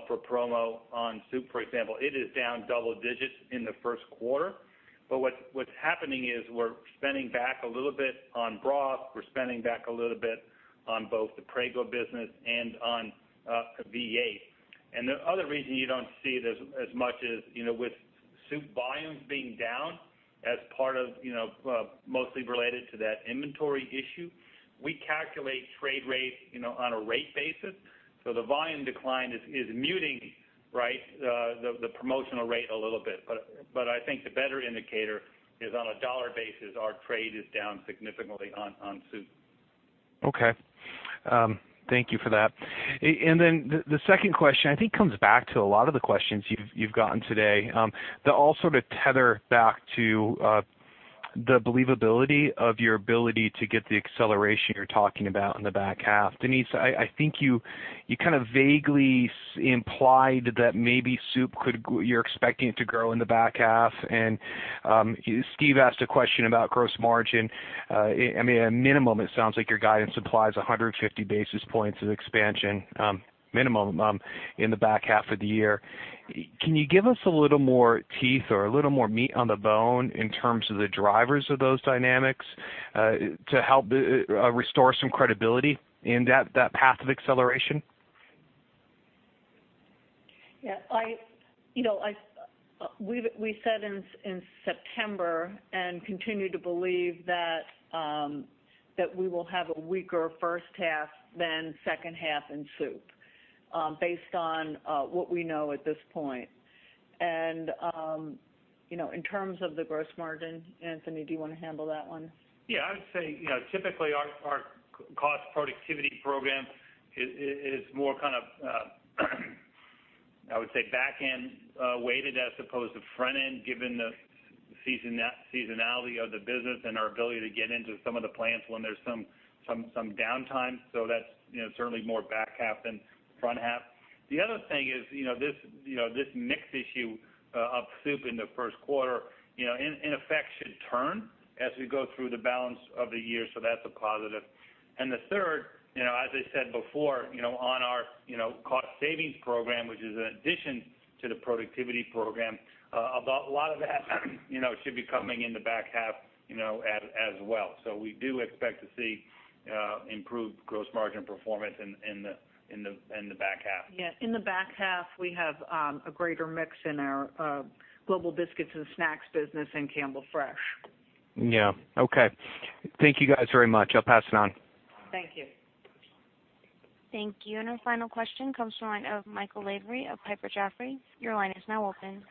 for promo on soup, for example, it is down double digits in the first quarter. What's happening is we're spending back a little bit on broth. We're spending back a little bit on both the Prego business and on V8. The other reason you don't see it as much is, with soup volumes being down as part of mostly related to that inventory issue, we calculate trade rate on a rate basis. The volume decline is muting the promotional rate a little bit. I think the better indicator is on a dollar basis, our trade is down significantly on soup. Okay. Thank you for that. The second question, I think comes back to a lot of the questions you've gotten today. They all sort of tether back to the believability of your ability to get the acceleration you're talking about in the back half. Denise, I think you kind of vaguely implied that maybe soup, you're expecting it to grow in the back half, and Steve asked a question about gross margin. At minimum, it sounds like your guidance implies 150 basis points of expansion, minimum in the back half of the year. Can you give us a little more teeth or a little more meat on the bone in terms of the drivers of those dynamics to help restore some credibility in that path of acceleration? Yeah. We said in September and continue to believe that we will have a weaker first half than second half in soup, based on what we know at this point. In terms of the gross margin, Anthony, do you want to handle that one? Yeah, I would say, typically our cost productivity program is more kind of, I would say, back-end weighted as opposed to front-end, given the seasonality of the business and our ability to get into some of the plants when there's some downtime. That's certainly more back half than front half. The other thing is this mix issue of soup in the first quarter, in effect should turn as we go through the balance of the year, so that's a positive. The third, as I said before, on our cost savings program, which is an addition to the productivity program, a lot of that should be coming in the back half as well. We do expect to see improved gross margin performance in the back half. Yeah. In the back half, we have a greater mix in our Global Biscuits and Snacks business and Campbell Fresh. Yeah. Okay. Thank you guys very much. I'll pass it on. Thank you. Thank you. Our final question comes from the line of Michael Lavery of Piper Jaffray. Your line is now open.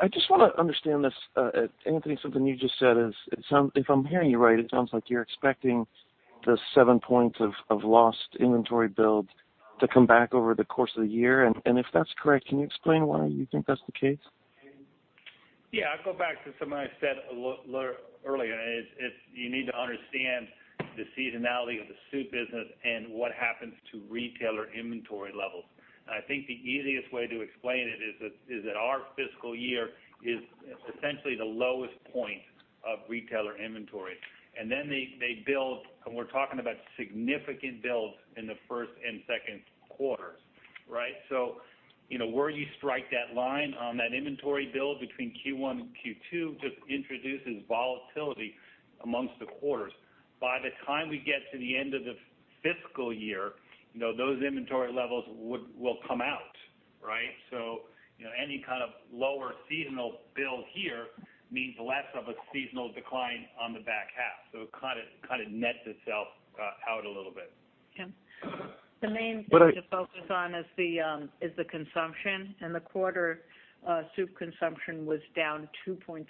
I just want to understand this, Anthony, something you just said is, if I'm hearing you right, it sounds like you're expecting the 7 points of lost inventory build to come back over the course of the year. If that's correct, can you explain why you think that's the case? Yeah. I'll go back to something I said earlier, is you need to understand the seasonality of the soup business and what happens to retailer inventory levels. I think the easiest way to explain it is that our fiscal year is essentially the lowest point of retailer inventory. Then they build, we're talking about significant builds in the first and second quarters, right? Where you strike that line on that inventory build between Q1 and Q2 just introduces volatility amongst the quarters. By the time we get to the end of the fiscal year, those inventory levels will come out. Any kind of lower seasonal build here means less of a seasonal decline on the back half. It kind of nets itself out a little bit. Yeah. The main thing to focus on is the consumption. In the quarter, soup consumption was down 2.3%.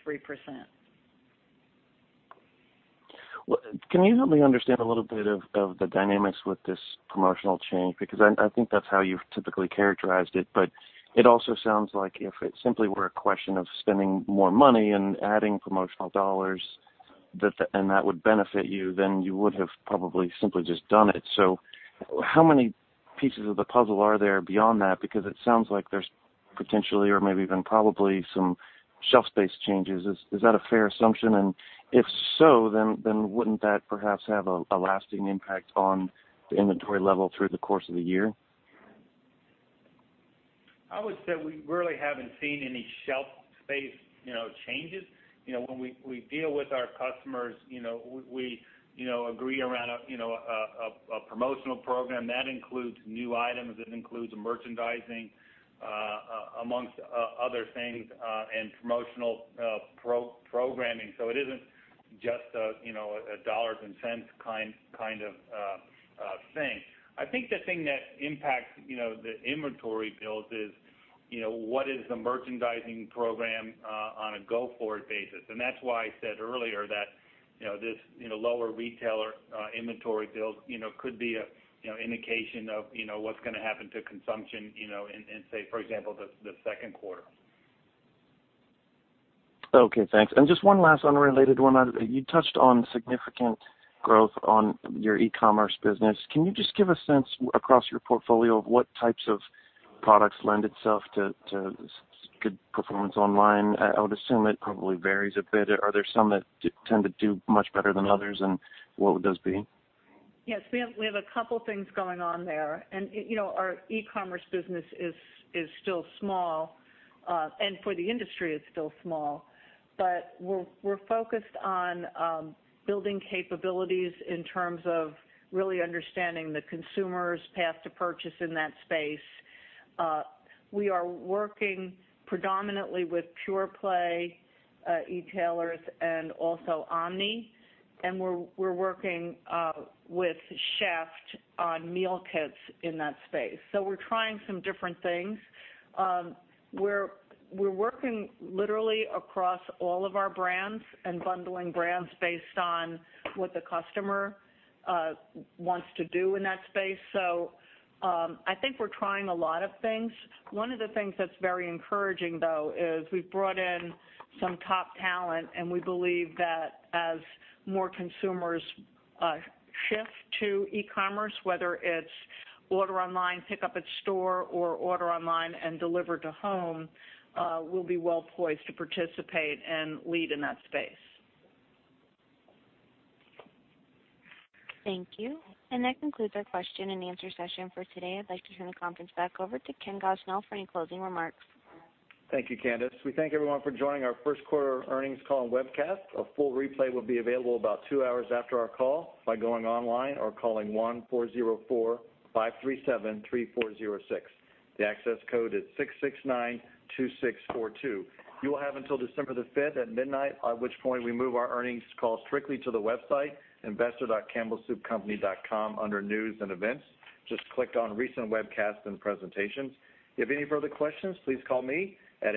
Can you help me understand a little bit of the dynamics with this promotional change? I think that's how you've typically characterized it, but it also sounds like if it simply were a question of spending more money and adding promotional dollars, and that would benefit you, then you would have probably simply just done it. How many pieces of the puzzle are there beyond that? It sounds like there's potentially or maybe even probably some shelf space changes. Is that a fair assumption? If so, wouldn't that perhaps have a lasting impact on the inventory level through the course of the year? I would say we really haven't seen any shelf space changes. When we deal with our customers, we agree around a promotional program. That includes new items, it includes merchandising amongst other things, and promotional programming. It isn't just a dollars and cents kind of thing. I think the thing that impacts the inventory builds is, what is the merchandising program on a go-forward basis? That's why I said earlier that this lower retailer inventory build could be an indication of what's going to happen to consumption, in say, for example, the second quarter. Okay, thanks. Just one last unrelated one. You touched on significant growth on your e-commerce business. Can you just give a sense across your portfolio of what types of products lend itself to good performance online? I would assume it probably varies a bit. Are there some that tend to do much better than others, and what would those be? Yes, we have a couple things going on there. Our e-commerce business is still small. For the industry, it's still small. We're focused on building capabilities in terms of really understanding the consumer's path to purchase in that space. We are working predominantly with pure play e-tailers and also Omni, and we're working with Chef'd on meal kits in that space. We're trying some different things. We're working literally across all of our brands and bundling brands based on what the customer wants to do in that space. I think we're trying a lot of things. One of the things that's very encouraging, though, is we've brought in some top talent, and we believe that as more consumers shift to e-commerce, whether it's order online, pick up at store, or order online and deliver to home, we'll be well poised to participate and lead in that space. Thank you. That concludes our question and answer session for today. I'd like to turn the conference back over to Ken Gosnell for any closing remarks. Thank you, Candice. We thank everyone for joining our first quarter earnings call and webcast. A full replay will be available about two hours after our call by going online or calling 1-404-537-3406. The access code is 6692642. You will have until December the 5th at midnight, at which point we move our earnings call strictly to the website, investor.campbellsoupcompany.com under News and Events. Just click on Recent Webcasts and Presentations. If you have any further questions, please call me at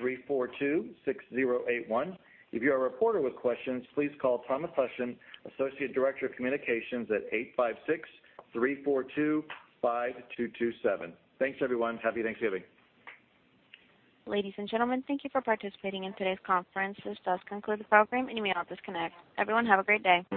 856-342-6081. If you are a reporter with questions, please call Thomas Hushen, Associate Director of Communications, at 856-342-5227. Thanks, everyone. Happy Thanksgiving. Ladies and gentlemen, thank you for participating in today's conference. This does conclude the program, and you may all disconnect. Everyone, have a great day